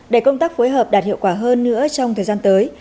để công tác phối hợp đạt hiệu quả hơn nữa trong thời gian tới